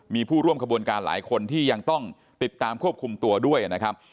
มีผู้ร่วมขบวนการหลายคนที่ยังต้องติดตามควบคุมตัวด้วยนะครับ